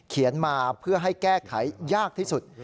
เขียนมาเพื่อให้แก้ไขยากที่สุด